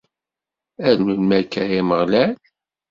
Ar melmi akka, a Ameɣlal?